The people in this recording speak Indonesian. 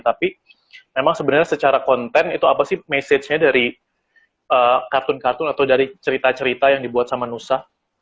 tapi memang sebenarnya secara konten itu apa sih message nya dari kartun kartun atau dari cerita cerita yang dibuat sama nusa